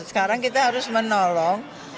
sekarang kita harus menolong